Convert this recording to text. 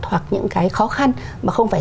hoặc những cái khó khăn mà không phải